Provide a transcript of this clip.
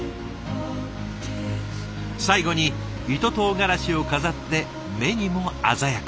最後に糸とうがらしを飾って目にも鮮やか。